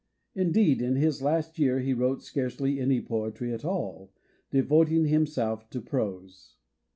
Indeed, in his last year he wrote scarcely any poetry at all, devoting himself to prose.